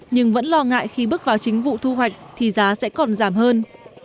nhưng vẫn lo ngại khi bước vào chính vụ thu hoạch thì giá sẽ còn giảm hơn